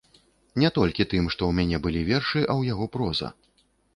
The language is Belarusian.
Не толькі тым, што ў мяне былі вершы, а ў яго проза.